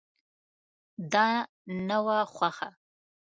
دا نه وه خوښه.